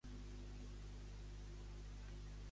Qui és Paul Rusesabagina?